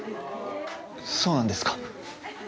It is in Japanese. そうなんですか？